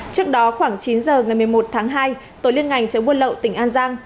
trước đó khoảng chín giờ ngày một mươi một tháng hai tổ liên ngành chống buôn lậu tỉnh an giang